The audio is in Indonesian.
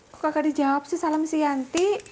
kok kagak dijawab sih salam si yanti